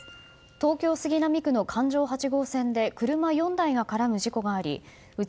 東京・杉並区の環状８号線で車４台が絡む事故がありうち